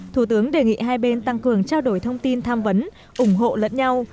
thủ tướng đề nghị hai bên tăng cường trao đổi thông tin tham vấn ủng hộ lẫn nhau